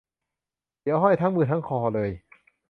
เดี๋ยวห้อยทั้งมือทั้งคอเลย